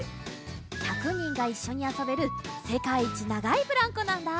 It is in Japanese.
１００にんがいっしょにあそべるせかいいちながいブランコなんだ！